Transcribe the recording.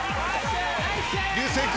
流星君も。